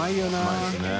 うまいですよね。